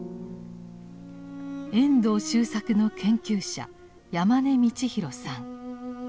遠藤周作の研究者山根道公さん。